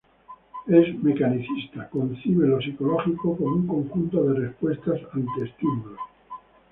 Es mecanicista: concibe lo psicológico como un conjunto de respuestas ante estímulos.